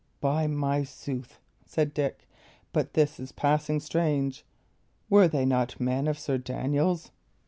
"By my sooth," said Dick, "but this is passing strange! Were they not men of Sir Daniel's?"